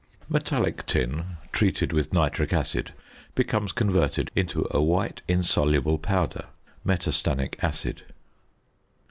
Metallic tin treated with nitric acid becomes converted into a white insoluble powder (metastannic acid).